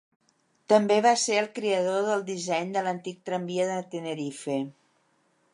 També va ser el creador del disseny de l'antic tramvia de Tenerife.